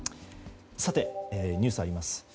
さて、ニュースに入ります。